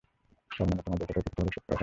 তার মানে তোমাদের কথায় কিছুটা হলেও সত্যতা আছে।